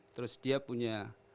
terus dia punya